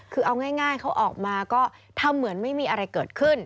คือเอาง่ายเขาออกมาก็ทำเหมือนไม่มีอะไรเกิดขึ้น